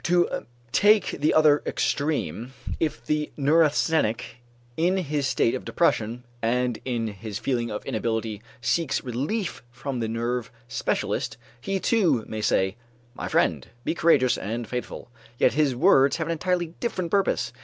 To take the other extreme: if the neurasthenic in his state of depression and in his feeling of inability seeks relief from the nerve specialist, he too may say: "My friend, be courageous and faithful," yet his words have an entirely different purpose.